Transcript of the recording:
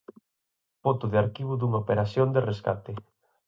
Foto de arquivo dunha operación de rescate.